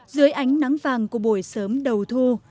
dưới ánh nắng vàng của buổi sớm đầu thu